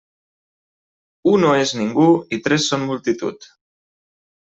U no és ningú i tres són multitud.